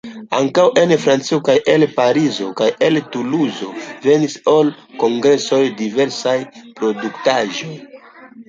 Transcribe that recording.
Ankaŭ en Francio kaj el Parizo kaj el Tuluzo venis al kongresoj diversaj produktaĵoj.